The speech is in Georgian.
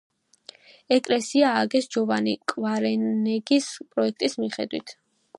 ეკლესია ააგეს ჯოვანი კვარნეგის პროექტის მიხედვით.